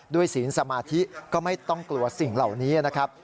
ศีลสมาธิก็ไม่ต้องกลัวสิ่งเหล่านี้นะครับ